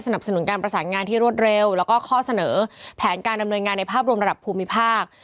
สนุนการประสานงานที่รวดเร็วแล้วก็ข้อเสนอแผนการดำเนินงานในภาพรวมระดับภูมิภาค